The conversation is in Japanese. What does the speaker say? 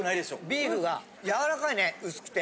ビーフがやわらかいね。薄くて！